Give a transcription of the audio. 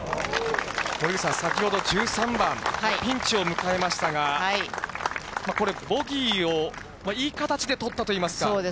森口さん、先ほど１３番、ピンチを迎えましたが、これ、ボギーをいい形で取ったといいますか。